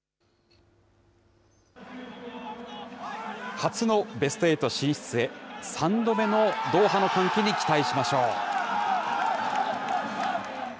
初のベスト８進出へ、３度目のドーハの歓喜に期待しましょう。